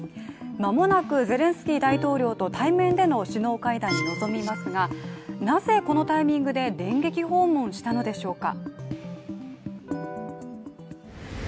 間もなくゼレンスキー大統領と対面での首脳会談に臨みますがなぜこのタイミングで電撃訪問したのでしょうか。